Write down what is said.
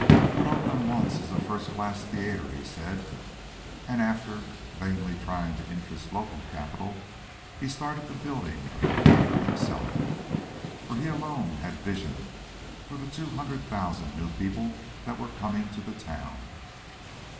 "What Oakland wants is a first class theatre," he said, and, after vainly trying to interest local capital, he started the building of the theatre himself; for he alone had vision for the two hundred thousand new people that were coming to the town.